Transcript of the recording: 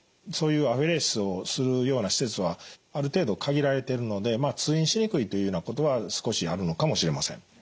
そういうアフェレシスをするような施設はある程度限られてるので通院しにくいというようなことは少しあるのかもしれません。